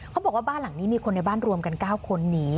เขาบอกว่าบ้านหลังนี้มีคนในบ้านรวมกัน๙คนหนี